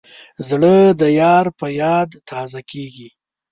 زړه د یار په یاد تازه کېږي.